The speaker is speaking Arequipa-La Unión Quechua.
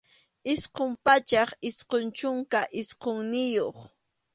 Isqun pachak isqun chunka isqunniyuq.